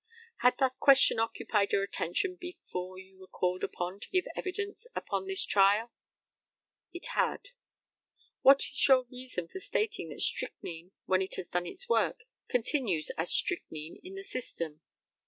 Had that question occupied your attention before you were called upon to give evidence upon this trial? It had. What is your reason for stating that strychnine, when it has done its work, continues as strychnine in the system?